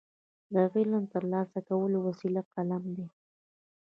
د علم ترلاسه کولو وسیله قلم دی.